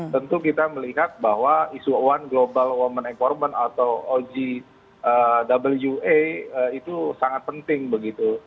tentu kita melihat bahwa isu one global women environment atau ogwa itu sangat penting begitu